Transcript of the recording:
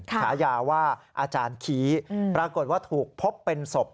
ฉายาว่าอาจารย์ขี้ปรากฏว่าถูกพบเป็นศพ